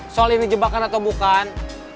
soal ini jebakan atau bukan